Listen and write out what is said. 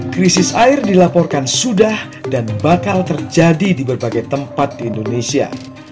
krisis air dilaporkan sudah dan bakal terjadi di berbagai tempat di indonesia